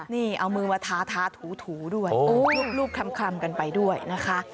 นี่เอามือมาทาถูด้วยรูปคลำกันไปด้วยนะคะ